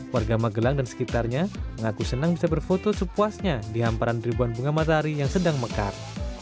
warga magelang dan sekitarnya mengaku senang bisa berfoto sepuasnya di hamparan ribuan bunga matahari yang sedang mekar